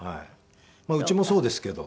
うちもそうですけど。